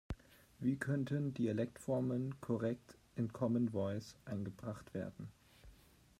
Wie könnten Dialektformen korrekt in Common Voice eingebracht werden?